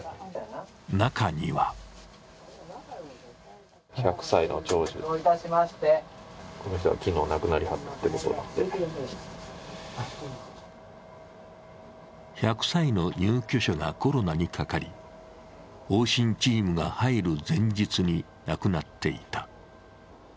中には１００歳の入居者がコロナにかかり往診チームが入る前日に亡くなっていた。